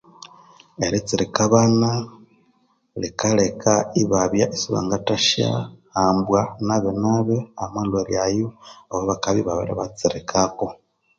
Eritsirika abana likaleka ibabya isibangathasyahambwa nabinabi amalhwere ayo awabakabya ibabiri batsirikako.